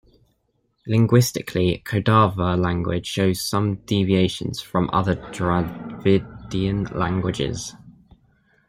Linguistically, Kodava language shows some deviations from other Dravidian languages.